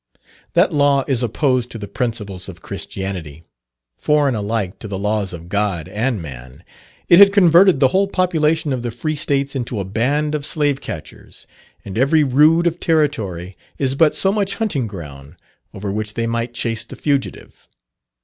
That law is opposed to the principles of Christianity foreign alike to the laws of God and man, it had converted the whole population of the free States into a band of slave catchers, and every rood of territory is but so much hunting ground, over which they might chase the fugitive.